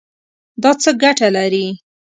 دا څه ګټه لري؟